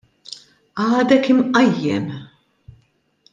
Għadek imqajjem!